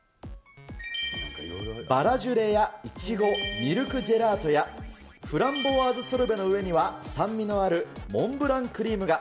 バラジュレやイチゴ、ミルクジェラートや、フランボワーズソルベの上には、酸味のあるモンブランクリームが。